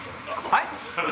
はい？